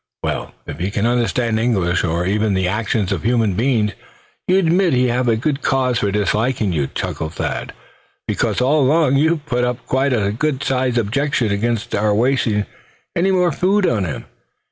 "Well, if he can understand English, or even the actions of human beings, you'd admit he's had good cause for disliking you," chuckled Thad; "because all along you've put up quite a good sized objection against our wasting any more food on him.